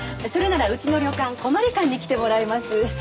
それならうちの旅館古毬館に来てもらいます。